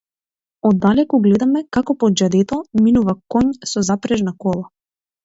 Оддалеку гледаме како по џадето минува коњ со запрежна кола.